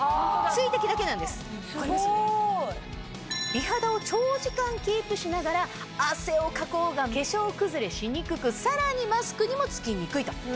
美肌を長時間キープしながら汗をかこうが化粧崩れしにくくさらにマスクにもつきにくいと。